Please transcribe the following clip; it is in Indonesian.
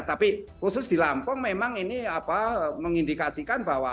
tapi khusus di lampung memang ini mengindikasikan bahwa